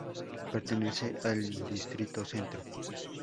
Pertenece al distrito Centro.